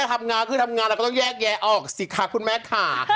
ทำงานขึ้นทำงานแล้วก็แยกแย้ออกสิค่ะคุณแม่ค่ะ